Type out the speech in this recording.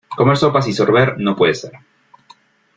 Comer sopas y sorber, no puede ser.